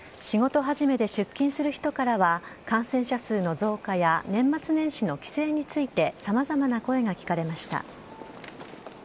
仕事始めで出勤する人からは、感染者数の増加や年末年始の帰省について、さまざまな声が聞かれました。